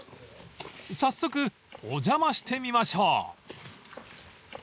［早速お邪魔してみましょう］